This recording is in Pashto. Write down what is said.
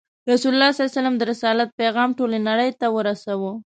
رسول الله د رسالت پیغام ټولې نړۍ ته ورساوه.